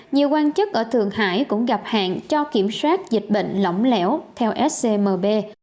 nhiều quan chức ở thượng hải cũng gặp hạn cho kiểm soát dịch bệnh lỏng lẻo theo scmb